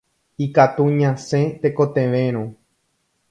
Ikatu ñasẽ tekotevẽrõ.